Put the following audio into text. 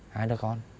hai đứa con